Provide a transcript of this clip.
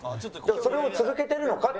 それを続けてるのか。